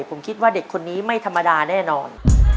ผมคิดว่าเด็กคนนี้ไม่ธรรมดาแน่นอน